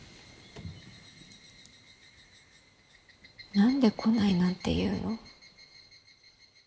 何で「来ない」なんて言うの？